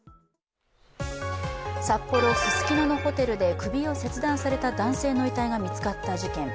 札幌・ススキノのホテルで首を切断された男性の遺体が見つかった事件。